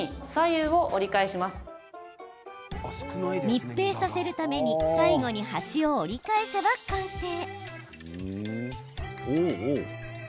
密閉させるために最後に端を折り返せば完成。